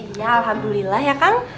iya alhamdulillah ya kang